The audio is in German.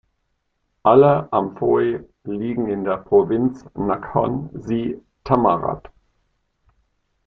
Alle Amphoe liegen in der Provinz Nakhon Si Thammarat.